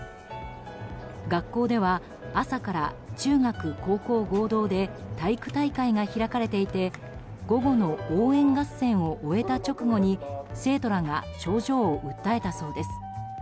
学校では、朝から中学高校合同で体育大会が開かれていて午後の応援合戦を終えた直後に生徒らが症状を訴えたそうです。